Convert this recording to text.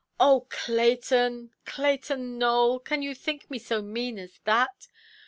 "Oh, Clayton, Clayton Nowell, can you think me so mean as that?